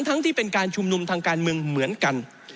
ที่เป็นการชุมนุมทางการเมืองเหมือนกัน